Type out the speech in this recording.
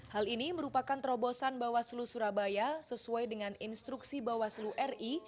hal ini merupakan terobosan bawah seluruh surabaya sesuai dengan instruksi bawah seluruh ri